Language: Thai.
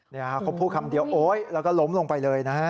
เขาพูดคำเดียวโอ๊ยแล้วก็ล้มลงไปเลยนะฮะ